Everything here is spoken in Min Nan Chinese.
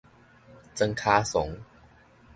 庄跤倯